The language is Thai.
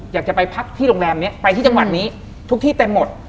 อยากจะไปพักที่โรงแรมนี้ไปที่จังหวัดนี้ทุกที่เต็มหมด